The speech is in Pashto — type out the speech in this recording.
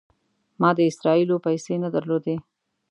ما د اسرائیلو پیسې نه درلودې.